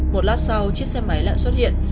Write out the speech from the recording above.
một lát sau chiếc xe máy lại xuất hiện